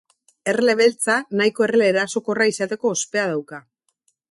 Erle beltza nahiko erle erasokorra izateko ospea dauka.